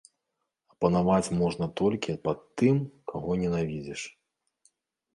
А панаваць можна толькі пад тым, каго ненавідзіш.